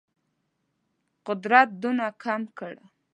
قدرت دونه کم کړ.